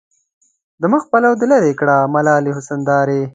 د مخ پلو دې لېري کړه ملالې حسن دارې